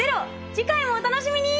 次回もお楽しみに！